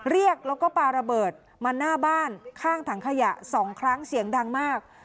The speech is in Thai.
เรียกแล้วก็ปาระเบิดมาหน้าบ้านข้างถังขยะ๒ครั้งเสียงดังมาก